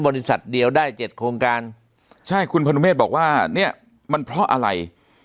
บริษัทเดียวได้เจ็ดโครงการใช่คุณพนุเมฆบอกว่าเนี่ยมันเพราะอะไร